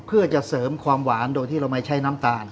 เพื่อจะเสริมความหวานโดยที่เราไม่ใช้น้ำตาล